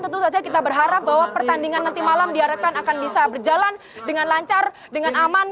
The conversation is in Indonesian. tentu saja kita berharap bahwa pertandingan nanti malam diharapkan akan bisa berjalan dengan lancar dengan aman